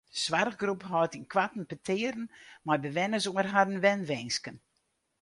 De soarchgroep hâldt ynkoarten petearen mei bewenners oer harren wenwinsken.